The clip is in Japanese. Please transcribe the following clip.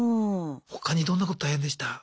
他にどんなこと大変でした？